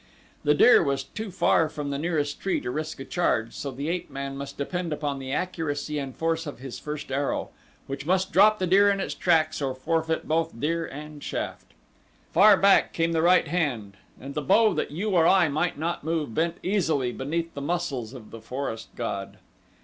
The deer was too far from the nearest tree to risk a charge, so the ape man must depend upon the accuracy and force of his first arrow, which must drop the deer in its tracks or forfeit both deer and shaft. Far back came the right hand and the bow, that you or I might not move, bent easily beneath the muscles of the forest god.